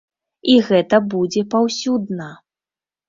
І гэта будзе паўсюдна.